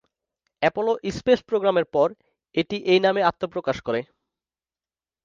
Apollo space প্রোগ্রামের পর এটি এই নামে আত্নপ্রকাশ করে।